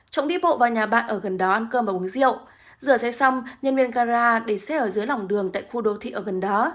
trọng đi bộ vào nhà bạn ở gần đó ăn cơm và uống rượu rửa xe xong nhân viên gara để xe ở dưới lòng đường tại khu đô thị ở gần đó